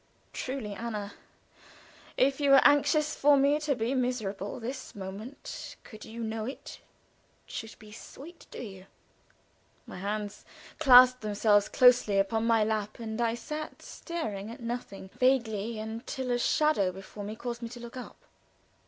Truly, Anna! if you were anxious for me to be miserable, this moment, could you know it, should be sweet to you! My hands clasped themselves more closely upon my lap, and I sat staring at nothing, vaguely, until a shadow before me caused me to look up.